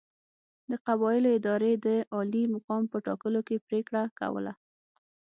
د قبایلو ادارې د عالي مقام په ټاکلو کې پرېکړه کوله.